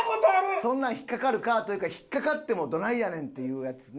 そんなん引っかかるかというか引っかかってもどないやねんっていうやつね。